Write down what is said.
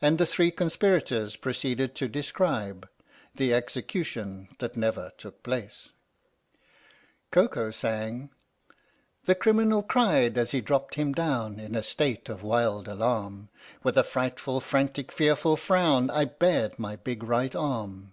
And the three con spirators proceeded to describe: THE STORY OF THE MIKADO THE EXECUTION THAT NEVER TOOK PLACE Koko sang : The criminal cried as he dropped him down In a state of wild alarm With a frightful, frantic, fearful frown I bared my big right arm.